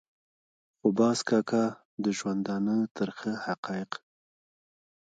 خو باز کاکا د ژوندانه ترخه حقایق.